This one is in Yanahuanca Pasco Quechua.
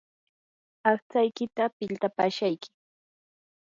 aqtsaykita piltapaashayki.